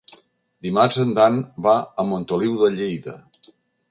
Dimarts en Dan va a Montoliu de Lleida.